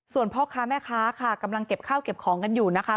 ส่วนพ่อค้าแม่ค้าค่ะกำลังเก็บข้าวเก็บของกันอยู่นะคะ